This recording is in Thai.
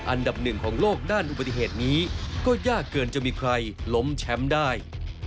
อันดับหนึ่งของโลกด้านอุบัติเหตุนี้ก็ยากเกินจะมีใครล้มแชมป์ได้